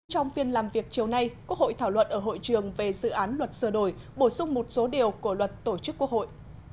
trong phiên làm việc chiều nay quốc hội thảo luận ở hội trường về dự án luật sửa đổi bổ sung một số điều của luật tổ chức quốc hội